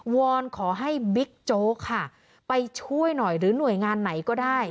วอนขอให้บิ๊กโจ๊กค่ะไปช่วยหน่อยหรือหน่วยงานไหนก็ได้